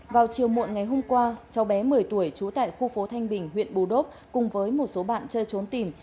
vào chiều muộn ngày hôm qua cháu bé một mươi tuổi trú tại khu phố thanh bình huyện bù đốp cùng với một số bạn chơi trốn tìm